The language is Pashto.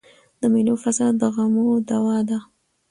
د مېلو فضا د غمو دوا ده.